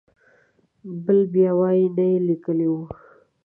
بل بیا وایي نه یې لیکلی و.